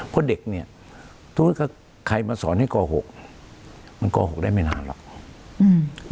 เพราะเด็กเนี่ยธุรกิจใครมาสอนให้โกหกมันโกหกได้ไม่นานหรอกอืม